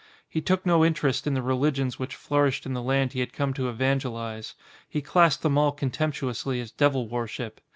He took no interest in the religions which flourished in the land he had come to evangelise. He classed them all contemptuously as devil worship.